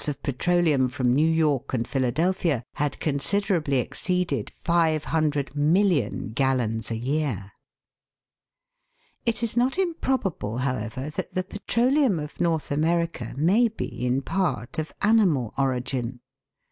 of petroleum from New York and Philadelphia had con siderably exceeded 500,000,000 gallons a year. It is not improbable, however, that the petroleum of North America may be in part of animal origin.